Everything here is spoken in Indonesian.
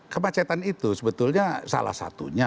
kemacetan itu sebetulnya salah satunya